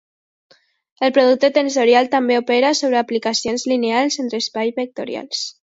El producte tensorial també opera sobre aplicacions lineals entre espais vectorials.